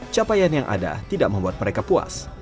capaian yang ada tidak membuat mereka puas